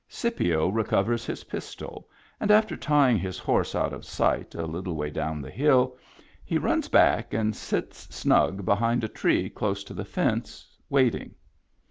Scipio recovers his pistol, and after tying his horse out of sight a little way down the hill, he runs back and sits snug behind a tree close to the fence, waiting.